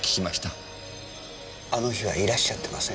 あの日はいらっしゃってません。